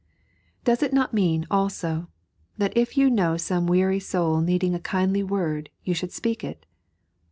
Does it not mean, also, that if you know some weary soul needing a kindly word you should speak it